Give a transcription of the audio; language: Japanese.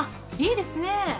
いいですね。